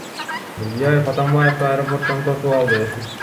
Мирзиёев Атамбаевди аэропорттон тосуп алды.